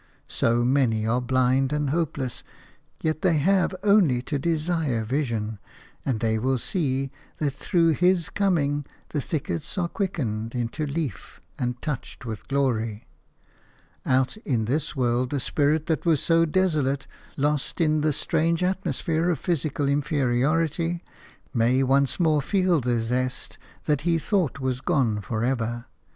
So many are blind and hopeless, yet they have only to desire vision, and they will see that through His coming the thickets are quickened into leaf and touched with glory. Out in this world the spirit that was so desolate, lost in the strange atmosphere of physical inferiority, may once more feel the zest that he thought was gone for ever.